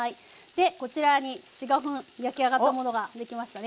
こちらに４５分焼き上がったものができましたね。